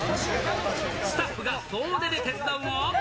スタッフが総出で手伝うも。